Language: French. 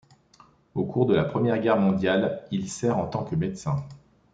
Au cours de la Première Guerre mondiale, il sert en tant que médecin.